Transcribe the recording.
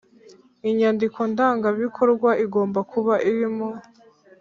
Inyandiko ndangabikorwa igomba kuba irimo